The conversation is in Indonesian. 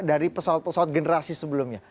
dari pesawat pesawat generasi sebelumnya